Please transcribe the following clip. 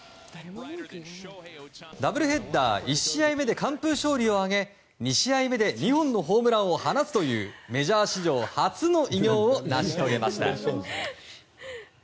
ダブルヘッダー１試合目で完封勝利を挙げ２試合目で２本のホームランを放つというメジャー史上初の偉業を成し遂げました。